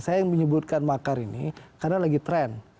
saya yang menyebutkan makar ini karena lagi trend